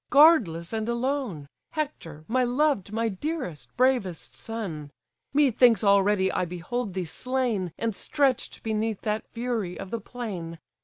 guardless and alone; Hector! my loved, my dearest, bravest son! Methinks already I behold thee slain, And stretch'd beneath that fury of the plain.